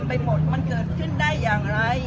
ป้าบุมศีใช่ไหมคะป้าบ้าน